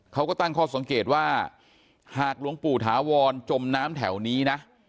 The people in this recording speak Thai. เขาก็ตั้งข้อสังเกตว่าหากหลวงปู่ถาวรจมน้ำแถวนี้นะ